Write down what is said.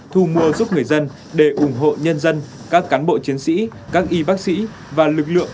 thu mua giúp người dân để ủng hộ nhân dân các cán bộ chiến sĩ các y bác sĩ và lực lượng